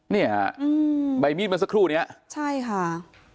เนี่ยใบมีดมันสักครู่เนี่ยใช่ค่ะ